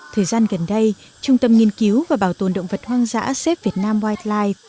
thời gian gần đây trung tâm nghiên cứu và bảo tồn động vật hoang dã xếp việt nam wildlife